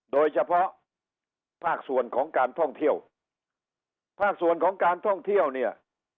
โดยเฉพาะภาคส่วนของการท่องเที่ยวภาคส่วนของการท่องเที่ยวเนี่ย